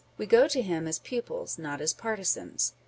We go to him as pupils, not as partisans.